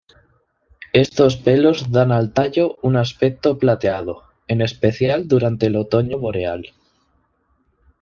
Estos pelos dan al tallo un aspecto plateado, en especial durante el otoño boreal.